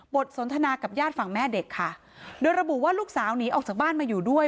สนทนากับญาติฝั่งแม่เด็กค่ะโดยระบุว่าลูกสาวหนีออกจากบ้านมาอยู่ด้วย